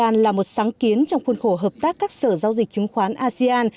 asean là một sáng kiến trong khuôn khổ hợp tác các sở giao dịch chứng khoán asean